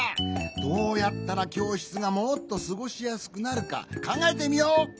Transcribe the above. どうやったらきょうしつがもっとすごしやすくなるかかんがえてみよう！